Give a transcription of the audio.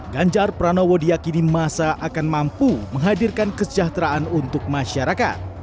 ganjar pranowo diakini masa akan mampu menghadirkan kesejahteraan untuk masyarakat